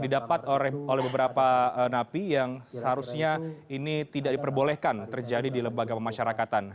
didapat oleh beberapa napi yang seharusnya ini tidak diperbolehkan terjadi di lembaga pemasyarakatan